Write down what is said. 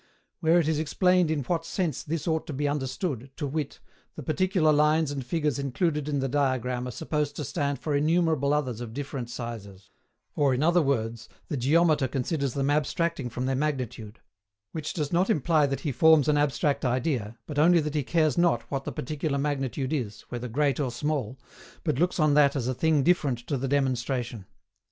where it is explained in what sense this ought to be understood, to wit, the particular lines and figures included in the diagram are supposed to stand for innumerable others of different sizes; or, in other words, the geometer considers them abstracting from their magnitude which does not imply that he forms an abstract idea, but only that he cares not what the particular magnitude is, whether great or small, but looks on that as a thing different to the demonstration.